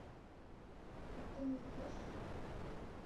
Поктен луктеш?